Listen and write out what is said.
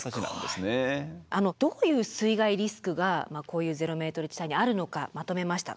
すごい。どういう水害リスクがこういうゼロメートル地帯にあるのかまとめました。